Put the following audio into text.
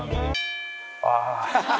ああ。